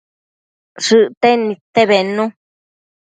Shëcten nidte bednu